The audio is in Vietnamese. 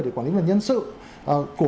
để quản lý về nhân sự của